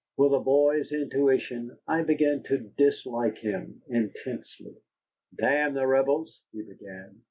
With a boy's intuition, I began to dislike him intensely. "Damn the Rebels!" he began.